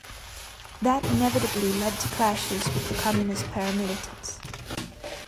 That inevitably led to clashes with the communist paramilitants.